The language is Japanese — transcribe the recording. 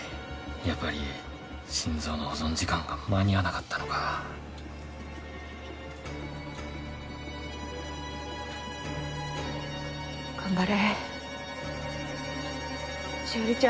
やっぱり心臓の保存時間が間に合わなかったのか頑張れ汐里ちゃん